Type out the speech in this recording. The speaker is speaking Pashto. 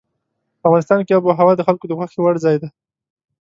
افغانستان کې آب وهوا د خلکو د خوښې وړ ځای دی.